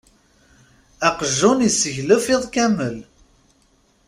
Aqjun iseglef iḍ kammel.